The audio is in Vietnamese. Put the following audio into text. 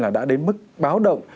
là đã đến mức báo động